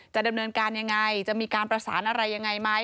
ดำเนินการยังไงจะมีการประสานอะไรยังไงไหม